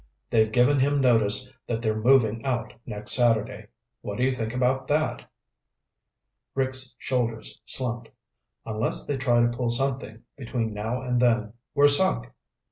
They've given him notice that they're moving out next Saturday. What do you think about that?" Rick's shoulders slumped. "Unless they try to pull something between now and then, we're sunk.